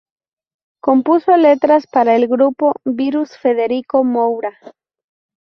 Compuso letras para el grupo Virus, Federico Moura.